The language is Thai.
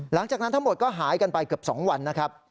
หลังจากนั้นทั้งหมดก็หายกันไปเกือบ๒วันนะครับ